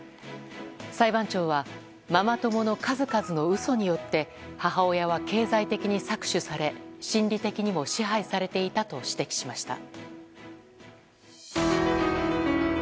裁判長はママ友の数々の嘘によって母親は経済的に搾取され心理的にも支配されていたと指摘しました。